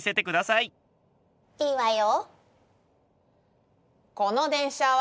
いいわよ。